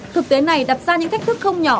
thực tế này đặt ra những thách thức không nhỏ